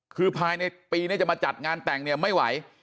คือภายในปีนี้จะมาจัดงานแต่งเนี่ยไม่ไหว